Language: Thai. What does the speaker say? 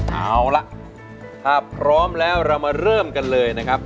เอาล่ะถ้าพร้อมแล้วเรามาเริ่มกันเลยนะครับ